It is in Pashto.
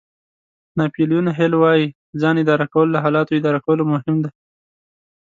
ناپیلیون هېل وایي ځان اداره کول له حالاتو اداره کولو مهم دي.